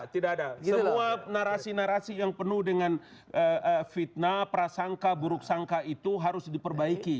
tidak ada semua narasi narasi yang penuh dengan fitnah prasangka buruk sangka itu harus diperbaiki